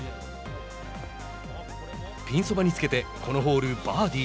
ピンそばにつけてこのホール、バーディー。